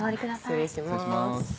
失礼します